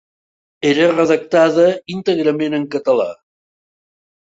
Era redactada íntegrament en català.